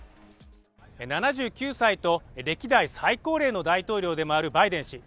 ７９歳と歴代最高齢の大統領でもあるバイデン氏。